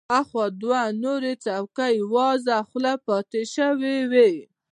اخوا دوه نورې څوکۍ وازه خوله پاتې شوې وې.